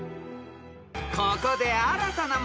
［ここで新たな問題を追加］